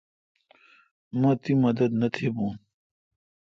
مہ تی مدد نہ تھبون۔